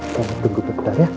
kamu tunggu tunggu ya